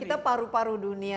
kita paru paru dunia